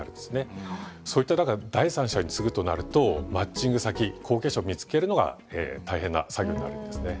そういっただから第三者に継ぐとなるとマッチング先後継者を見つけるのが大変な作業になるんですね。